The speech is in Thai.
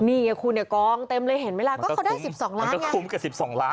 นี่ไงคุณเนี่ยกองเต็มเลยเห็นไหมล่ะก็เขาได้๑๒ล้านก็คุ้มกับสิบสองล้าน